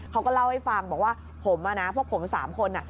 เขาก็เล่าให้ฟังบอกว่าผมอ่ะนะพวกผม๓คนอ่ะ